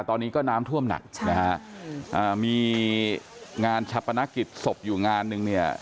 ตอนนี้ก็น้ำถ้วมหนักนะคะมีงานชะปนักศิษย์ศพอยู่งานหนึ่งเนี่ย